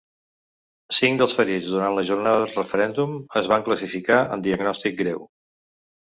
Cinc dels ferits durant la jornada del referèndum es van classificar en diagnòstic greu.